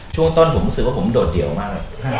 ช่วงต้นผมรู้สึกว่าผมโดดเดี่ยวมาก